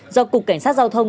do cục cảnh sát giao thông